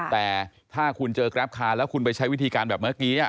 แต่ถ้าคุณเจอกราฟคาร์แล้วคุณไปใช้วิธีการแบบเมื่อกี้